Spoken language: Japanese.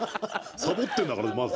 サボってんだからまず。